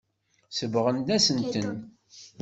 Sebɣent-asen-ten.